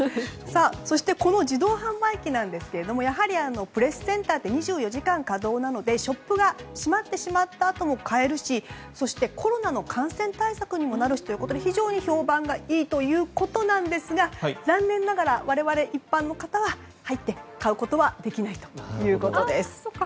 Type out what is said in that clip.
この自動販売機なんですがプレスセンターって２４時間稼働なのでショップが閉まってしまったあとも買えるしそして、コロナの感染対策にもなるということで非常に評判がいいということなんですが残念ながら我々、一般の方は入って買うことはできないということです。